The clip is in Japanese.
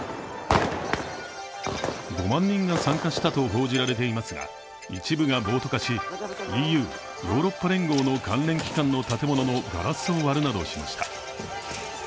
５万人が参加したと報じられていますが一部が暴徒化し、ＥＵ＝ヨーロッパ連合の関連機関の建物のガラスを割るなどしました。